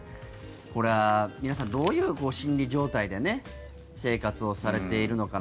これは皆さんどういう心理状態で生活をされているのかな。